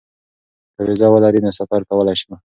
که وېزه ولري نو سفر کولی شي.